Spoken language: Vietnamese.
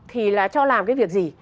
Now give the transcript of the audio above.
thì là cho làm cái việc gì